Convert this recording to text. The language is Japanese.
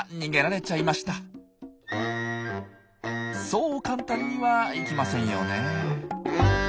そう簡単にはいきませんよね。